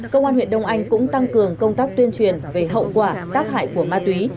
công an huyện đông anh cũng tăng cường công tác tuyên truyền về hậu quả tác hại của ma túy